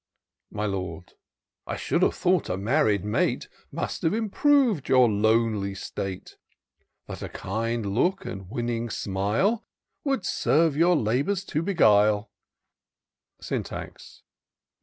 My Lord. '^ I should have thought a married mate Must have iiriprov'd your lonely state ! That a kind look and winning smile Would serve your labours to beguile." Syntax.